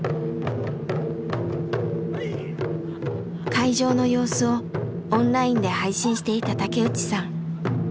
会場の様子をオンラインで配信していた竹内さん。